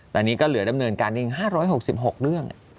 แต่นี่ก็เหลือดำเนินการเนี่ย๕๖๖เรื่อง